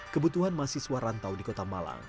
kebutuhan mahasiswa rantau di kota malang